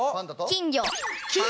金魚！